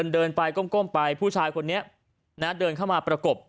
เดินไปก้มไปผู้ชายคนนี้เดินเข้ามาประกบ